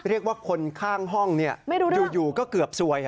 เรียกว่าคนข้างห้องอยู่ก็เกือบซวย